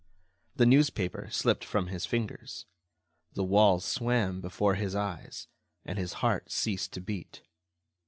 The newspaper slipped from his fingers. The walls swam before his eyes, and his heart ceased to beat.